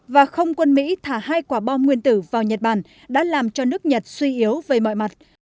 và không quân mỹ thả hai quả bom nguyên tử vào nhật bản đã làm cho nước nhật suy yếu về mọi mặt